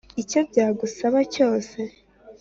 icyo byagusaba cyose